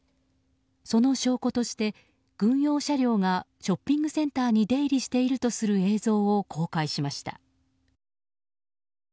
その証拠として軍用車両がショッピングセンターに出入りしているとする映像を公開しました。